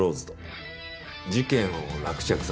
事件を落着させる。